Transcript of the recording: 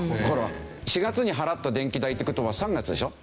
４月に払った電気代って事は３月でしょ。